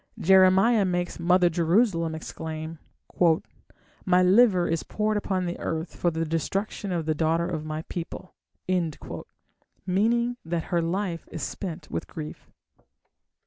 Jeremiah makes "Mother Jerusalem" exclaim: "My liver is poured upon the earth for the destruction of the daughter of my people", meaning that her life is spent with grief.